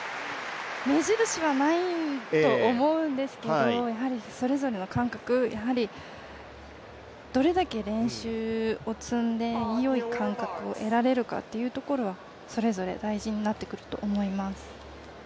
目印はないと思うんですけど、それぞれの感覚、どれだけ練習を積んで良い感覚を得られるかというところはそれぞれ大事になってくると思います。